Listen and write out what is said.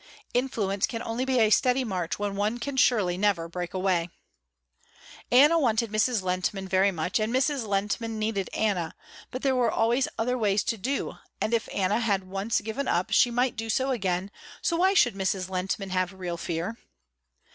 Influence can only be a steady march when one can surely never break away. Anna wanted Mrs. Lehntman very much and Mrs. Lehntman needed Anna, but there were always other ways to do and if Anna had once given up she might do so again, so why should Mrs. Lehntman have real fear?